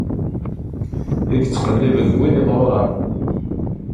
I yettqelliben, d win iḍṛuṛan.